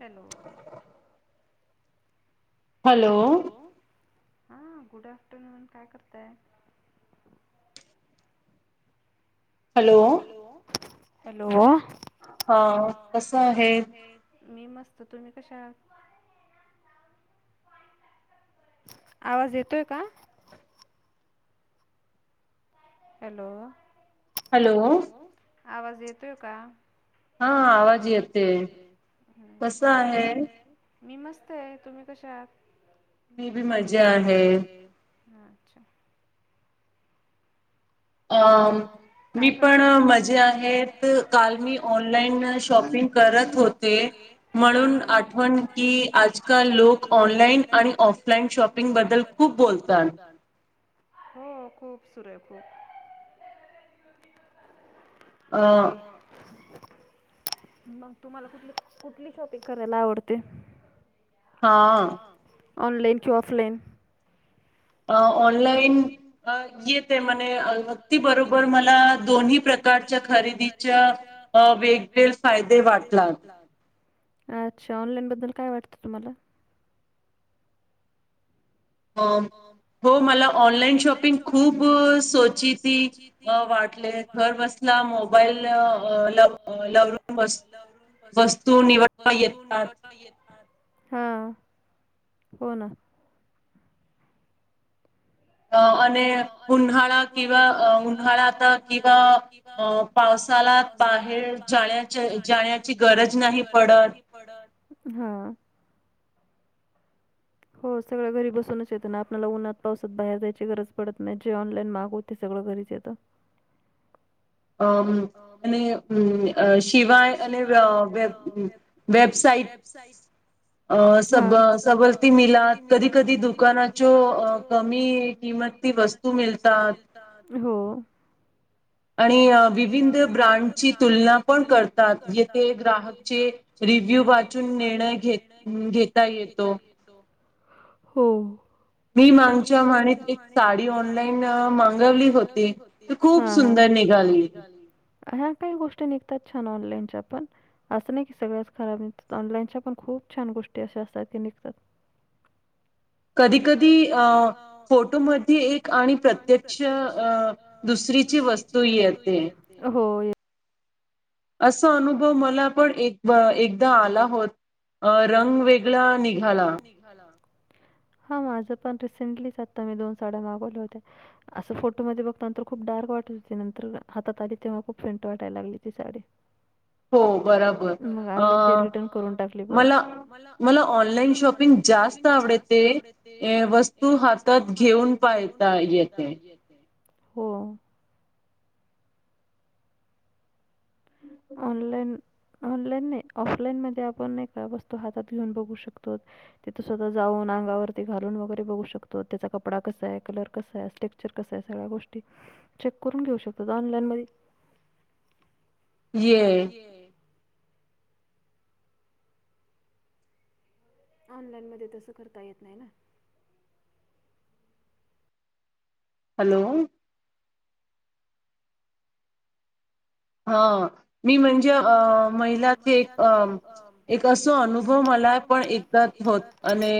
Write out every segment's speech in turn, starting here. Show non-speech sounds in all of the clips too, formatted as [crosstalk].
Hello. Hello. हा good afternoon काय करताये. Hello hello. हा कस आहे? मी मस्त तुम्ही कशा आहात? आवाज येतोय का? हॅलो हॅलो आवाज येतोय का? हा आवाज येते कस आहे. मी मस्त आहे. तुम्ही कश आहात? माजा आहे हा अच्छा. ह. मी पण मजे आहेत काल मी ऑनलाइन शॉपिंग करत होते! म्हणून आठवण की आजकाल लोक ऑनलाईन आणि ऑफलाईन शॉपिंग बद्दल बद्दल खूप बोलतात. हो खूप सुरु आहे खूप! दोन्ही ही [unintelligible] मग तुम्हाला कुठ कुठली शॉपिंग करायला आवडते? हा. ऑनलाईन की ऑफलाईन? अ ऑनलाईन अ येते म्हने, ती बरोबर मला दोन्ही प्रकार प्रकारच्या खरेदीच्या अ वेगवेल फायदे वाटलात. अच्छा ऑनलाइन बद्दल काय वाटतं तुम्हाला? अ हो मला ऑनलाईन शॉपिंग खूप सोचिती वाटले घर असला, मोबाईल अ लव लवरून वस्तू निवडता येत निवडता येतात. हा, हो ना. अ आणि उन्हाळा किंवा उन्हाळाता किंवा पावसा बाहेर जाण्या जाण्याची गरज नाही पडत. [inaudible] हो सगळं घरी बसूनच येतं ना आपल्याला उन्हात पावसात बाहेर जायची गरज पडत नाही, जे ऑनलाईन मागवते सगळं घरीच येतं. [inaudible] अ आणि शिवाय आणि वे वेबसाईट वेबसाईट स सवलती मिलात कधी कधी दुकानाचो कमी कि ती वस्तू मिळतात. आणि विविध ब्रांडची तुलना पण करतात, येथे ग्राहकचे रिच रिव्ह्यू वाचून निय घे घेता येतो, हो मी मागच्या माणीत एक साडी ऑनलाईन मागवली होती, ती खूप सुंदर निघ सुंदर निघाली. ह्या काही गोष्टी निघतात छान ऑनलाईनच्या पण, असं नाही की सगळ्याच खराब निघतात ऑनलाईनच्या पण खू छान गोष्टी अश्या असतात की निघतात? [inaudible] कधी कधी अ फोटोमध्ये एक आणि प्रत्यक्ष अ दुसरी तिची वस्तू येते. असा अनुभव मला पण एक एकदा आला हो अ रंग वेगळा निघाला. हा माझं पण रिसेंटलीच आता मी दोन साड्या मागवल्या होत्या, असं फोटोमध्ये बघताना तर खूप डार्क वाटत होती. नंतर हातात आली तेव्हा खूप फेंट वाटायला लागली ती साडी. हो बराबर अ मला- मला ऑन ऑनलाइन शॉपिंग जास्त आवडेते वस्तू हातात घेऊन पाहता येत येते. हो ऑनलाईन ऑनलाईन नाही, ऑफलाईन मध्ये आपण नाय का वस्तू हातात घेऊन बघू शकतो. तिथे स्वतः जाऊन अंगावरती घालून वगैरे बघू शकतो, त्याचा कपडा कसा आहे, कलर कसा आहे, टेक्चर कसा आहे सगळ्या गोष्टी चेक करून घेऊन शकतात. ऑनलाईन मध्ये ये ऑनलाईन मध्ये तसं करता येत नाही ना. हॅलो! हा मी म्हणजे अ महिलाचे एक अ एक असो अनुभव मला पण एकदा होत आणि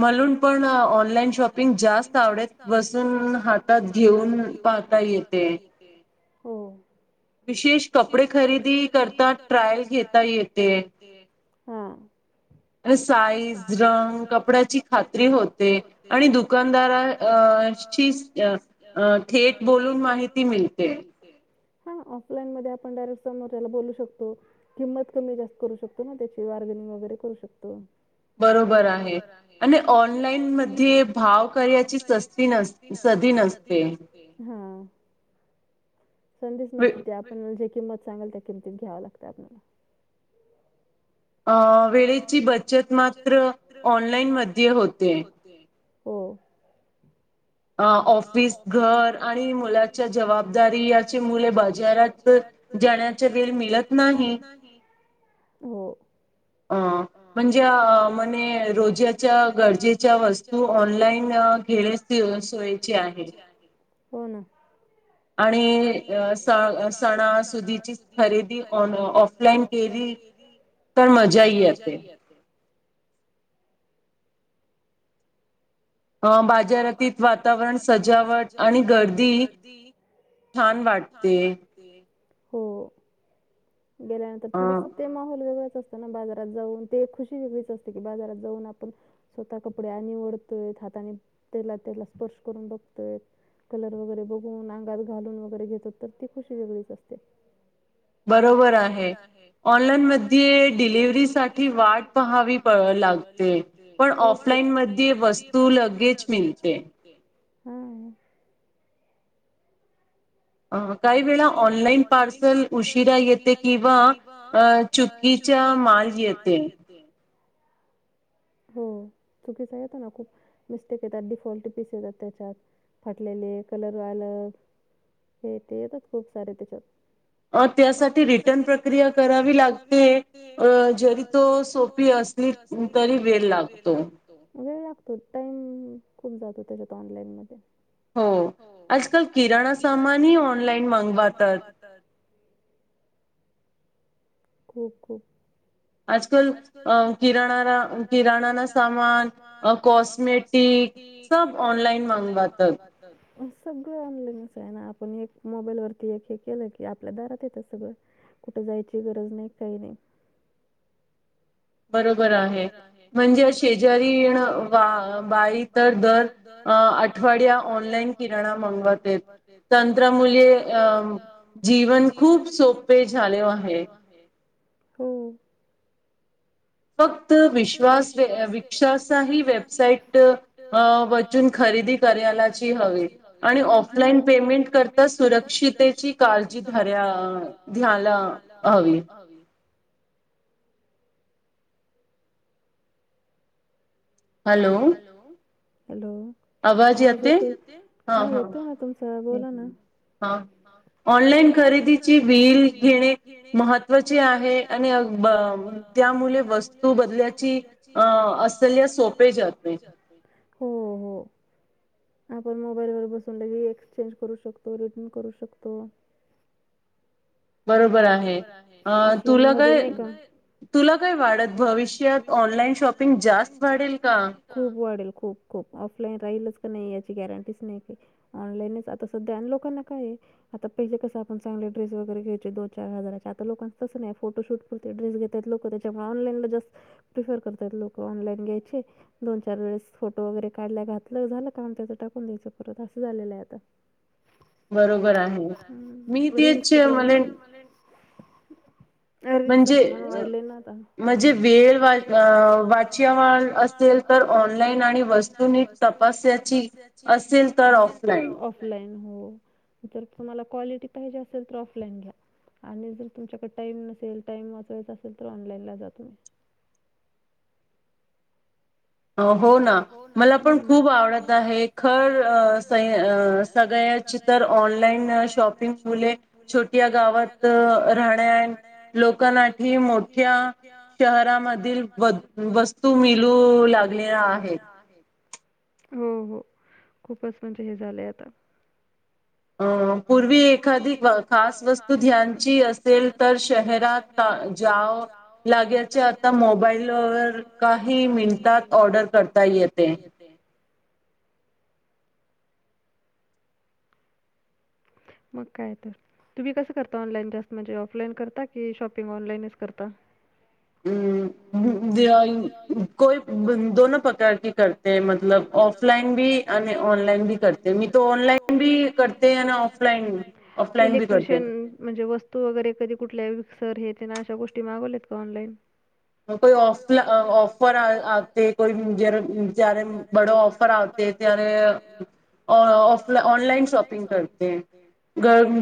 म्हलून पण ऑनलाईन शॉपिंग जास्त आवडेत बसून ह हातात घेऊन पाहता येते. हो विशेष कपडे खरेदी करता ट्रायल घेता येते. हा [inaudible] साईज रंग कपड्याची खात्री होते. आणि दुकानदारा अ थेट बोलून माहिती मिळते. हा ऑफलाईन मध्ये आपण डायरेक्ट समोर बोलू शकतो. किंमत कमी जास्त करू शकतो ना त्याची. बार्गनिंग वगैरे करू शकतो. बरोबर आहे‌. आणि ऑनलाईन मध्ये भाव कार्याची सस्ती नस सधी नसते. ह [inaudible] संधीच नसते. ते आपण जे किंमत सांगल त्या किमतीत घ्याव लागतं आपल्याला. अ वेळेची बचत मात्र ऑनलाइन मध्ये होते. हो. अ ऑफिस घर आणि मुलाच्या जबाबदारी याचे मुले बाजारात जाण्याचा वेळ मिळत नाही. हो. ह म्हणजे म्हणे रोजाच्या गरजेच्या वस्तू ऑनलाईन घे सोयची आहे. हो ना. आणि सणा सुधची खरेदी ऑफलाईन केली. केली तर मजा. तर मजा येते. अं बाजारातीत वातावरण सजावट आणि गर्दी छान वाटते. हो. गेल्यानंतर थोडस ते माहोल वेगळाच असत ना. बाजारात जाऊन ते खुशी वेगळीच असते की. बाजारात जाऊन आपण स्वतः कपडे आ निवडतोय. हाताने तेला त्याला स्पर्श करून बघतोय. कलर वगैरे बघून अंगात घालून वगैरे घेतो. तर ती खुशी वेगळीच असते. बरोबर आहे. ऑनलाईन मध्ये डिलिव्हरी साठी वाट पहावी प लागते. पण ऑफलाईन मध्ये वस्तू लगेच मिलते. हा. काही वेळा ऑनलाईन पार्सल उशिरा येते. किंवा चुकीच्या कीच्या माल येते. हो चुकीच येतो ना. खूप मिस्टेक येतात. डिफॉल्ट पीस येतात त्याच्यात. फाटलेले कलर वालं हे ते येतात खूप सारे त्याच्यात. त्यासाठी रिटर्न प्रक्रिया करावी लागते. जरी तो सोप असली तरी वेळ लागतो. वेळ लागतो. टाइम खूप जातो त्याच्यात ऑनलाईन मध्ये. हो आजकाल किराणा सामानही ऑनलाईन मागवतात. खूप खूप आजकाल अ किराणा किराणाना सामान कॉस्मेटिक सब ऑनलाइन मागवतात. सगळं ऑनलाईनच आहे ना. आपण एक मोबाईल वरती एक हे केलं की आपल्या दारात येतात सगळं. कुठे जायची गरज नाही काही नाही. [inaudible] बरोबर आहे. म्हणजे शेजारीण वा बाई तर दर आठवड्या ऑनलाईन किराणा मागवतेत तंत्र मुले जीवन खूप सोपे झाले आहे. हो. फक्त विश्वास व वश्वासही वेबसाईट वचून खरेदी ह [unintelligible] आणि ऑफलाईन पेमेंट कर सुरक्षितेची काळजी खऱ्या्याला हवी. हॅलो. आवाज येते हा हा हा. ऑनलाईन खरेदीची बिल घेणे महत्वाचे आहे आणि त्यामुळे वस्तू बदल्याची अ असल्या सोपे जात [unintelligible] [unintelligible] आपण मोबाईलवर बसून लगेच एक्सचेंज करू शकतो रिटर्न करू शकतो. [unintelligible] बरोबर आहे ऑफलाईन मध्ये नाही का तुला काय वाढत भविष्यात ऑनलाईन शॉपिंग जास्त वाढेल का वाढल खूप खूप ऑफलाईन राहिलच. नाही याची गॅरंटीच नाही का ऑनलाईनच आता सध्या लोकांना काय आता पहिलं कस आपण ड्रेस वगैरे घ्यायचे जाच्या आता लोकां तसं नाही फोटोशूट पुरते ड्रेस घेतात लोक त्यामुळे ऑनलाईन ला जास्त प्रिफर करतायत. लोक ऑनलाईन घ्यायचे दोन चार वेळेस फोटो वगैरे काढल्या घातलं झालं काम त्याचं टाकून द्यायच परत. असं झालेलं आहे आता. बरोबर आहे मी तेच मले अरच [unintelligible] प्रमाण वाढलं ना आता म्हणजे वेळ वा तर ऑनलाईन आणि वत तपची अस तर ऑफलाईन जर तुम्हाला क्वालिटी पाहिजे असेल तर ऑफलाइन घ्या. आणि जर तुमच्याकडे टाईम नसेल टाईम वाचवायचा असेल तर ऑनलाईनला जा तुम्ही. हो ना मला पण खूप आवडत आहे खर स सगळ्या ऑला शॉ मु गावात राह. क मोठ्या शहरामधील वस्तू मिलू हो लागलेला आहे. हो हो खूपच म्हणजे हे झालंय आता. अ पूर्वी एखादी खास वस्तू ध्यानची असेल तर शहरात ्या [unintelligible] लागेचे आता मोबाईलवर काही मिनटात ऑर्डर करतात. करता ह य ते मग काय तर तुम्ही कसं करता ऑनलाईन जास्त म्हणजे ऑफलाईन करता की शॉपिंग ऑनलाईनच करता. हम् म को दोनो प्रकार क करते ह मतलब ऑफलाइन भी आणि ऑनलाईन बी करते मी त ऑनलाईन बी करते आणि ऑफलाईन इलेक्ट्रिशियन म्हणजे वस्तू वगैरे कधी कुठल्या सर हे ते ना अशा गोष्टी मागवल्यात का ऑनलाईन. को ऑफला ऑफर आते को ज ज बडा ऑफर आत. त ऑफ ऑनलाईन शॉपिंग करते.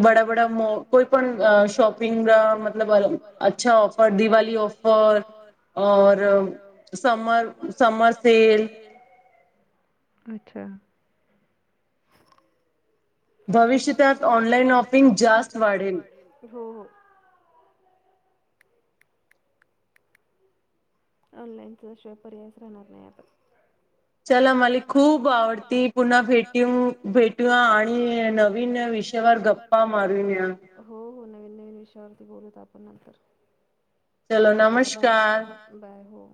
बडा बडाॉ कोपण शॉपिंग म अच्छा ऑफर दिवा ऑफर स समर सेल. अच्छा. भविष्यातत ऑनलाईन शॉपिंग जास्त वाढेल. ऑनलाईनचा शिवाय पर्यायच राहणार नाही आता चला मला खूप आवडती पुन्हा भेट भेटू आणि नवीन विष ग् मार नवीन नवीन विषयावरती बोलत आपण नंतर चला बाय, बाय, हो.